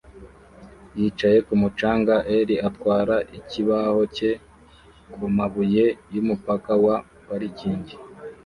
yicaye kumu canga er atwara ikibaho cye kumabuye yumupaka wa parikingi